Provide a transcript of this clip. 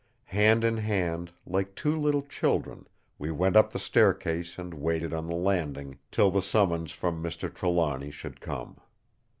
Hand in hand, like two little children, we went up the staircase and waited on the landing, till the summons from Mr. Trelawny should come.